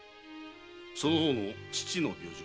その方の父の病状は？